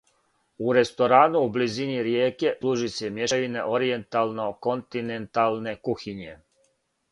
У ресторану у близини ријеке служи се мјешавина оријентално-континенталне кухиње.